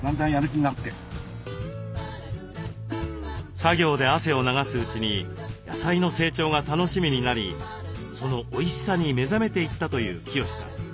作業で汗を流すうちに野菜の成長が楽しみになりそのおいしさに目覚めていったという清志さん。